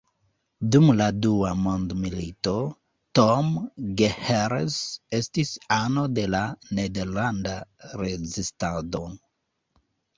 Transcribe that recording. Dum la dua mondmilito, Tom Gehrels estis ano de la nederlanda rezistado.